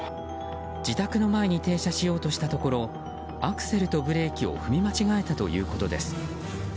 自宅の前に停車しようとしたところアクセルとブレーキを踏み間違えたということです。